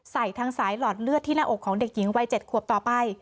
ใส่ทางสายหลอดเลือดที่หน้าอกของเด็กหญิงวัย๗ขวบต่อไป